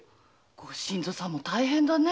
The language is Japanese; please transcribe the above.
御新造さんも大変だね。